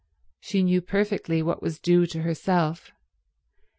She knew perfectly what was due to herself.